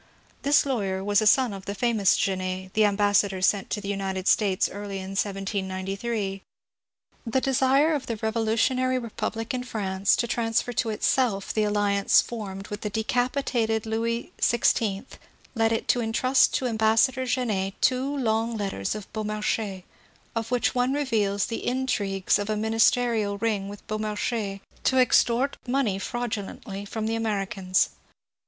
This lawyer was a son of the famous Genet, the ambassador sent to the United States early in 1793. The de^ sire of the revolutionary republic in France to transfer to itself the alliance formed with the decapitated Louis XVI led it to entrust to ambassador Genet two long letters of Beaumarehais, of which one reveals the intrigues of a minis terial ring with Beaumarehais to extort money fraudulentiy from the Americans.